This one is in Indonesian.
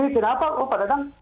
kenapa pak dadang